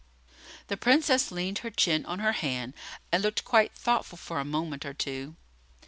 The Princess leaned her chin on her hand, and looked quite thoughtful for a moment or two.